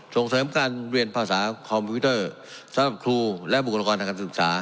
ส่งเสริมการเรียนภาษาคอมพิวเตอร์สำหรับครูและบุคลากรทางการศึกษา